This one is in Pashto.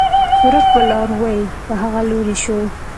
ورک به لاروی په هغه لوري شو